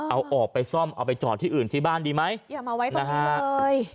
เอาออกไปซ่อมเอาไปจอดที่อื่นที่บ้านดีไหมอย่ามาไว้นะฮะเอ้ย